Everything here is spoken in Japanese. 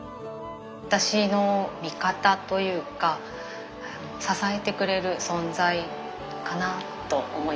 私の味方というか支えてくれる存在かなと思います。